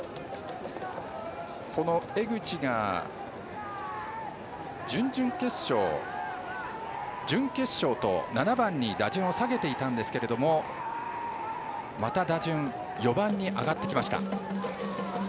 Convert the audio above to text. この江口が準々決勝、準決勝と７番に打順を下げていたんですがまた打順４番に上がってきました。